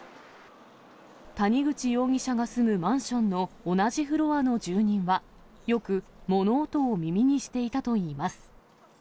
谷口容疑者が住むマンションの同じフロアの住人は、よく物音を耳にしていたといいます。